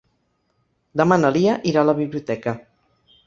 Demà na Lia irà a la biblioteca.